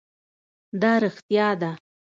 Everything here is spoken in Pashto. دا رښتيا ده؟